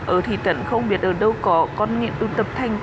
ở thị trấn không biết ở đâu có con nghiện ưu tập thanh